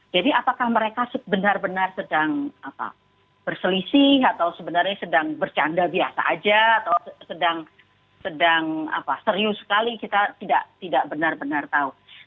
jadi apakah mereka benar benar sedang berselisih atau sebenarnya sedang bercanda biasa aja atau sedang serius sekali kita tidak benar benar tahu